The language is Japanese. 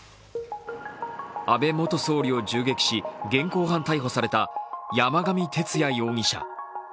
安倍元総理を銃撃し、現行犯逮捕された山上徹也容疑者。